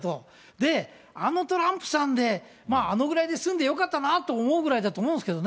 で、あのトランプさんで、あのぐらいで済んでよかったなと思うぐらいだと思うんですけどね。